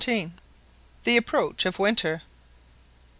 THE APPROACH OF WINTER.